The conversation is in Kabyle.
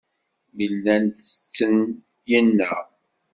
Mi llan tetten, inna.